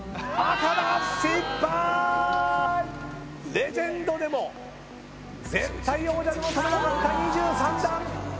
レジェンドでも絶対王者でも跳べなかった２３段。